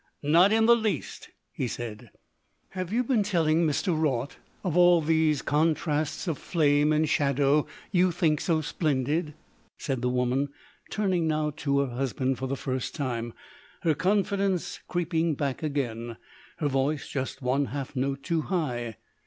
"Not in the least," he said. "Have you been telling Mr. Raut of all these contrasts of flame and shadow you think so splendid?" said the woman, turning now to her husband for the first time, her confidence creeping back again, her voice just one half note too high.